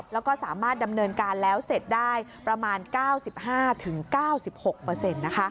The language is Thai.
แล้วก็สามารถดำเนินการแล้วเสร็จได้ประมาณ๙๕๙๖นะคะ